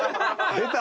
出た！